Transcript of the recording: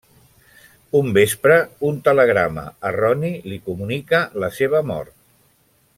Un vespre, un telegrama erroni li comunica la seva mort.